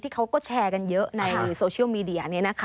เขาก็แชร์กันเยอะในโซเชียลมีเดีย